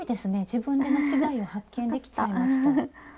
自分で間違えを発見できちゃいました。